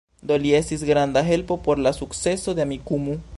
Do, li estis granda helpo por la sukceso de Amikumu